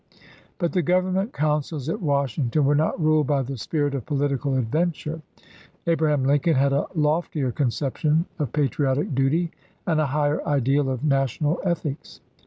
But the Government councils at Washington were not ruled by the spirit of political adven ture. Abraham Lincoln had a loftier conception of patriotic duty and a higher ideal of national 108 ABRAHAM LINCOLN chap.v. ethics.